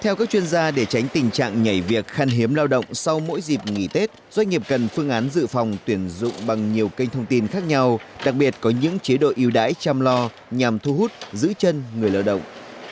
theo các chuyên gia để tránh tình trạng nhảy việc khăn hiếm lao động sau mỗi dịp nghỉ tết doanh nghiệp cần phương án dự phòng tuyển dụng bằng nhiều kênh thông tin khác nhau đặc biệt có những chế độ ưu đãi chăm lo nhằm thu hút giữ chân người lao động